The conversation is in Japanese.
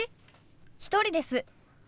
１人です。